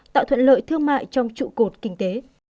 tạo thuận lợi thương mại trong trụ cột kinh tế